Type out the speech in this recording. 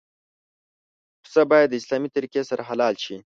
پسه باید د اسلامي طریقې سره حلال شي.